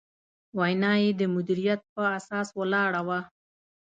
وینا یې د مدیریت په اساس ولاړه وه.